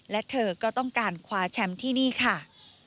และเธอก็ต้องการคว้าแชมป์ที่นี่ค่ะ